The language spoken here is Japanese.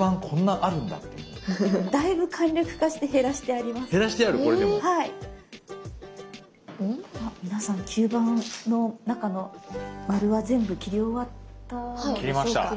あ皆さん吸盤の中の丸は全部切り終わったのでしょうか？